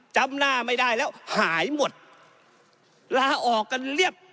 จำหน้าไม่ได้แล้วหายหมดลาออกกันเรียบ